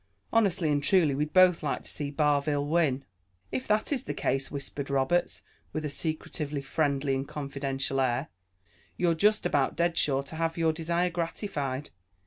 Honestly and truly, we'd both like to see Barville win." "If that is the case," whispered Roberts, with a secretively friendly and confidential air, "you're just about dead sure to have your desire gratified.